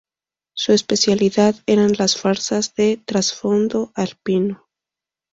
Su especialidad eran las farsas de trasfondo alpino.